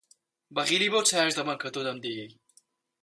بەغیلی بەو چایییەش دەبەن کە تۆ دەمدەیەی!